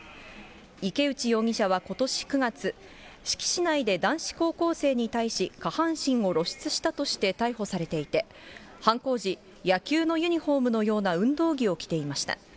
池内容疑者はことし９月、志木市内で男子高校生に対し、下半身を露出したとして逮捕されていて、犯行時、野球のユニホームのような運動着を着ていました。